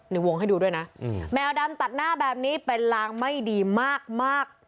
ในวงให้ดูด้วยนะแมวดำตัดหน้าแบบนี้เป็นลางไม่ดีมาก